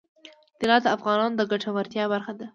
طلا د افغانانو د ګټورتیا برخه ده.